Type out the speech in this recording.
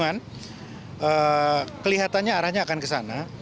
jadi kita bisa lihat kelihatannya arahnya akan ke sana